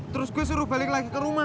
terus gue suruh balik lagi ke rumah